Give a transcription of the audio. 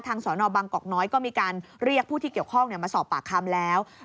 สอนอบังกอกน้อยก็มีการเรียกผู้ที่เกี่ยวข้องมาสอบปากคำแล้ว